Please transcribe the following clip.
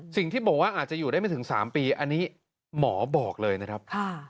สิ่งที่บอกว่าอาจจะอยู่ได้ไม่ถึง๓ปีอันนี้หมอบอกเลยนะครับ